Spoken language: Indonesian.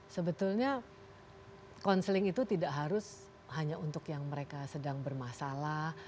sebetulnya counseling itu tidak harus hanya untuk yang mereka sedang bermasalah